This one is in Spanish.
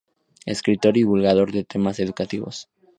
Escritor y divulgador de temas educativos.